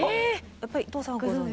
やっぱりいとうさんはご存じ。